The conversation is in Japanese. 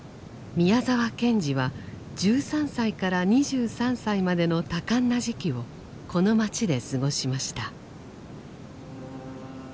宮沢賢治は１３歳から２３歳までの多感な時期をこの街で過ごしました。